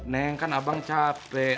neng kan abang capek